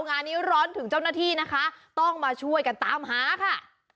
งานนี้ร้อนถึงเจ้าหน้าที่นะคะต้องมาช่วยกันตามหาค่ะ